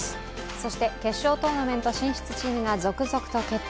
そして、決勝トーナメント進出チームが続々と決定。